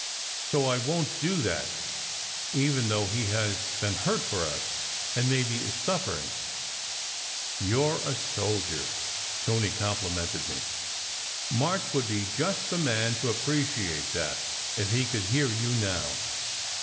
So I won t do that, even though he has been hurt for us, and maybe is suffering." "You re a soldier," Tony complimented me. "March 202 SECRET HISTORY would be just the man to appreciate that if he could hear you now."